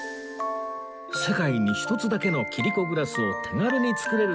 世界に一つだけの切子グラスを手軽に作れる体験が大人気